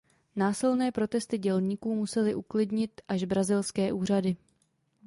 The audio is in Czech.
Násilné protesty dělníků musely uklidnit až brazilské úřady.